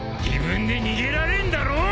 自分で逃げられんだろ！